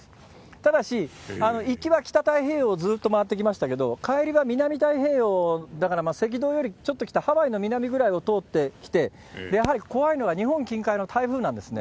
ただし、域は北太平洋をずっと回ってきましたけれども、帰りは南太平洋だから、赤道よりちょっと北、ハワイの南ぐらいを通ってきて、やはり怖いのは日本近海の台風なんですね。